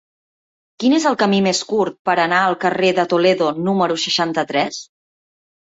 Quin és el camí més curt per anar al carrer de Toledo número seixanta-tres?